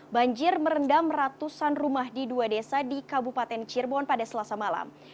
banjir merendam ratusan rumah di dua desa di kabupaten cirebon pada selasa malam